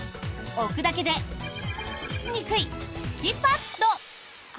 置くだけで○○にくい敷きパッド。